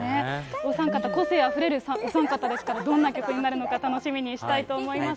お三方、個性あふれる三方ですから、どんな曲になるのか楽しみにしたいと思います。